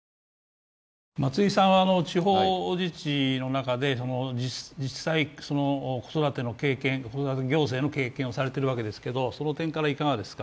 松井さんは地方自治の中で実際、子育ての経験、子育て行政の経験をされているわけですがその点からいかがですか。